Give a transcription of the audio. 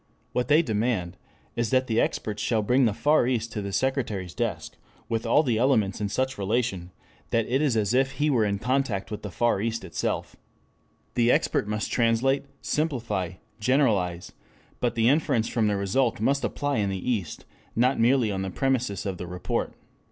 What they demand is that the experts shall bring the Far East to the Secretary's desk, with all the elements in such relation that it is as if he were in contact with the Far East itself. The expert must translate, simplify, generalize, but the inference from the result must apply in the East, not merely on the premises of the report.